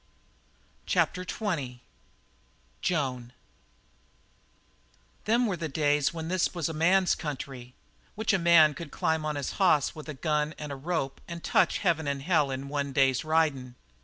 CHAPTER XX JOAN "Them were the days when this was a man's country, which a man could climb on his hoss with a gun and a rope and touch heaven and hell in one day's ridin'.